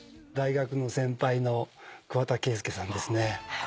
大学の先輩の桑田佳祐さんですね。